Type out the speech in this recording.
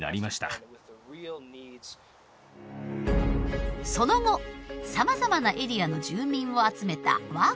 その後さまざまなエリアの住民を集めたワークショップを開催。